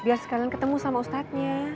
biar sekarang ketemu sama ustadznya